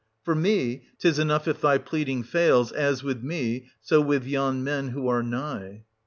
For me, 'tis enough if thy pleading fails, as with me, so with yon men who are nigh.